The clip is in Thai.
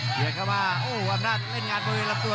เบียกเข้ามาโอ้อำนาจเล่นงานมือหลับตัว